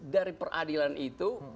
dari peradilan itu